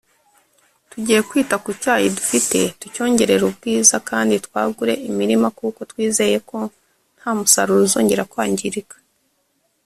tugiye kwita ku cyayi dufite tucyongerere ubwiza kandi twagure imirima kuko twizeye ko nta musaruro uzongera kwangirika